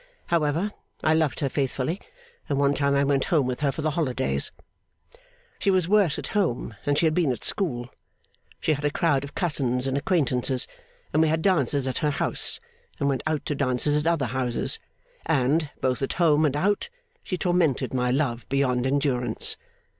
However, I loved her faithfully; and one time I went home with her for the holidays. She was worse at home than she had been at school. She had a crowd of cousins and acquaintances, and we had dances at her house, and went out to dances at other houses, and, both at home and out, she tormented my love beyond endurance.